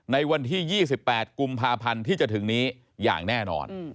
ในวันที่๒๘กุมภาพันธ์ที่จะถึงนี้อย่างแน่นอน